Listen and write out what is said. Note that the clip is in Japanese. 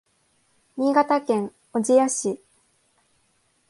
新潟県小千谷市